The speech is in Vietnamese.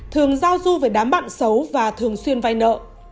thường giao du với đám bạn xấu và thường xuyên vay nợ